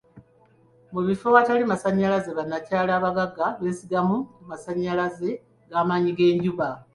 Mu bifo awatali masannyalaze, bannakyalo abagagga beesigamu ku masannyalaze ga maanyi ga njuba.